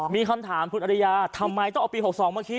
มีคำถามคุณอริยาทำไมต้องเอาปี๖๒มาคี